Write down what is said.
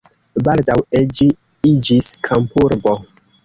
Baldaŭe ĝi iĝis kampurbo.